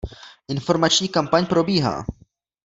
Informační kampaň probíhá.